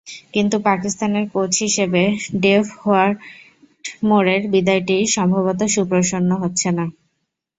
কিন্তু পাকিস্তানের কোচ হিসেবে ডেভ হোয়াটমোরের বিদায়টি সম্ভবত সুপ্রসন্ন হচ্ছে না।